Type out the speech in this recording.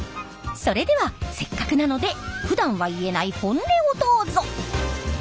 それではせっかくなのでふだんは言えない本音をどうぞ！